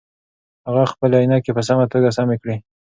هغه خپلې عینکې په سمه توګه سمې کړې.